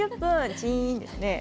チーンですね。